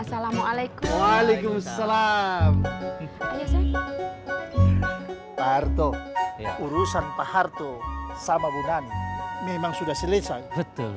assalamualaikum waalaikumsalam pak harto urusan pak harto sama bukan memang sudah selesai betul